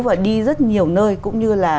và đi rất nhiều nơi cũng như là